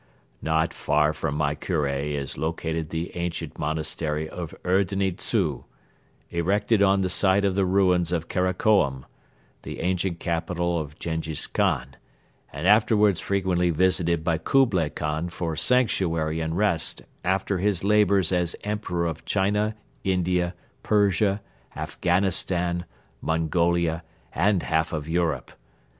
"Not far from my Kure is located the ancient monastery of Erdeni Dzu, erected on the site of the ruins of Karakorum, the ancient capital of Jenghiz Khan and afterwards frequently visited by Kublai Kahn for sanctuary and rest after his labors as Emperor of China, India, Persia, Afghanistan, Mongolia and half of Europe.